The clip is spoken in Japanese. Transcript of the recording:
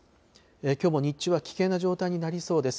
きょうも日中は危険な状態になりそうです。